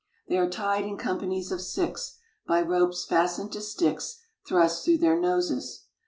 They are tied in companies of six, by ropes fas tened to sticks thrust through their noses.